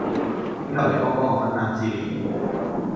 請求你幫幫我分擔思念